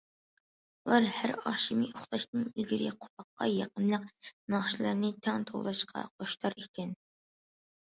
ئۇلار ھەر ئاخشىمى ئۇخلاشتىن ئىلگىرى قۇلاققا يېقىملىق ناخشىلارنى تەڭ توۋلاشقا خۇشتار ئىكەن.